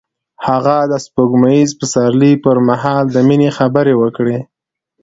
هغه د سپوږمیز پسرلی پر مهال د مینې خبرې وکړې.